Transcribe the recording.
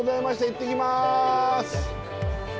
行ってきます！